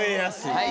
はい。